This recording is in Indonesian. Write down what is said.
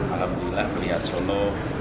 alhamdulillah melihat sono